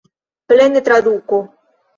Plena traduko.